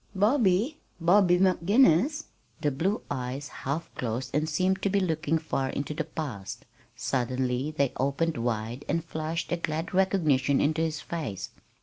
"Bobby? Bobby McGinnis?" The blue eyes half closed and seemed to be looking far into the past. Suddenly they opened wide and flashed a glad recognition into his face.